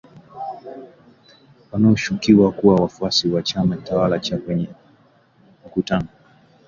wanaoshukiwa kuwa wafuasi wa chama tawala cha kwenye mkutano